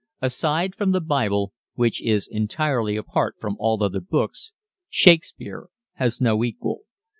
Aside from the Bible which is entirely apart from all other books Shakespeare has no equal.